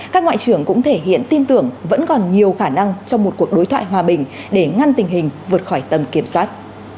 các ngoại trưởng cũng thể hiện tin tưởng vẫn còn nhiều khả năng trong một cuộc đối thoại hòa bình để ngăn tình hình vượt khỏi tầm kiểm soát